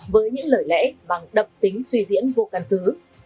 với những lời lẽ bằng đập tính suy diễn vô căn cứ